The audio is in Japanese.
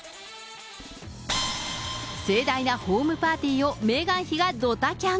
盛大なホームパーティーをメーガン妃がドタキャン。